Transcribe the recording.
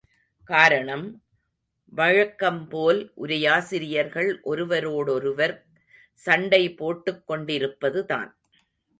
காரணம், வழக்கம்போல், உரையாசிரியர்கள் ஒருவரோடொருவர் சண்டை, போட்டுக் கொண்டிருப்பதுதான்.